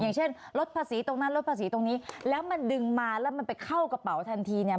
อย่างเช่นลดภาษีตรงนั้นลดภาษีตรงนี้แล้วมันดึงมาแล้วมันไปเข้ากระเป๋าทันทีเนี่ย